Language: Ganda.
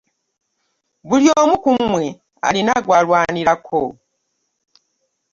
Buli omu ku mmwe alina gw'alwanirako.